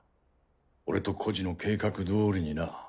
俺と居士の計画どおりにな。